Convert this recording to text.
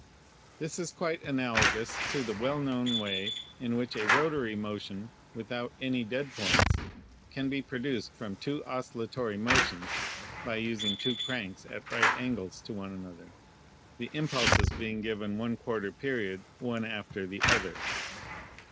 This is quite analogous to the well known way "in which a rotatory mo tion, without any dead points, can be produced from two oscillatory motions by using two cranks at right angles to one another, the impulses being given l /$ period one after the other.